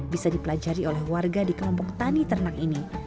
bisa dipelajari oleh warga di kelompok tani ternak ini